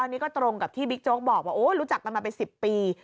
อันนี้ก็ตรงกับที่บิ๊กโจ๊กบอกว่าโอ้รู้จักกันมาเป็น๑๐ปี